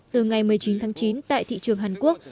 từ ngày một mươi chín tháng chín tại thị trường hàn quốc